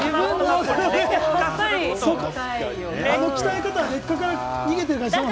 あの鍛え方は劣化から逃げてる感じ、あるもんね。